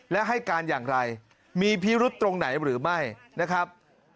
และให้การอย่างไรมีพิรุษตรงไหนหรือไม่นะครับ